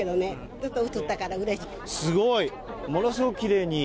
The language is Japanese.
ちょっと写ったからうれしい。